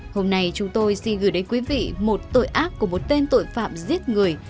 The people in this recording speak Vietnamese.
hôm nay chúng tôi xin gửi đến quý vị một tội ác của một tên tội phạm giết người